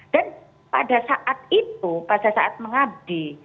dan pada saat itu pasal saat mengabdi